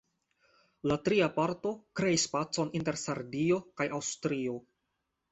La tria parto kreis pacon inter Sardio kaj Aŭstrio.